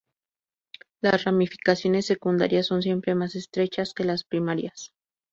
Las ramificaciones secundarias son siempre más estrechas que las primarias.